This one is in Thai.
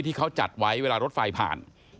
ที่เขาจัดไว้เวลารถไฟผ่าน